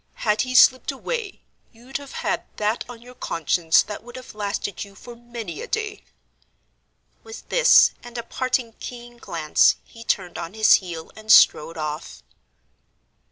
Had he slipped away, you'd have had that on your conscience that would have lasted you for many a day." With this, and a parting keen glance, he turned on his heel and strode off.